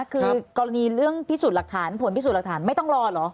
คือกรณีเรื่องพิสูจน์หลักฐานผลพิสูจน์หลักฐานไม่ต้องรอเหรอ